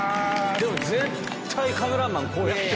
でも絶対カメラマンこうやって。